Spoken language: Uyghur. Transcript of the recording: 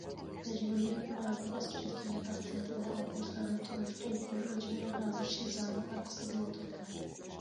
مەجبۇرىيەت مائارىپى باسقۇچىدىكى ياتاقتا ياتىدىغان ئوقۇغۇچىلارنىڭ تۇرمۇش تولۇقلىما ئۆلچىمى ھازىر شىزاڭنىڭ ئارقىسىدىلا تۇرىدۇ.